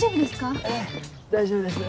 大丈夫ですか？